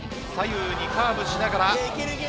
左右にカーブしながら。